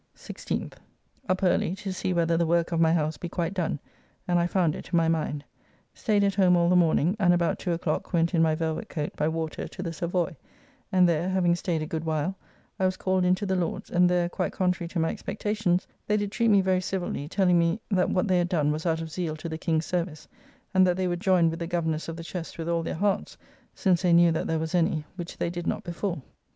16th. Up early to see whether the work of my house be quite done, and I found it to my mind. Staid at home all the morning, and about 2 o'clock went in my velvet coat by water to the Savoy, and there, having staid a good while, I was called into the Lords, and there, quite contrary to my expectations, they did treat me very civilly, telling me that what they had done was out of zeal to the King's service, and that they would joyne with the governors of the chest with all their hearts, since they knew that there was any, which they did not before.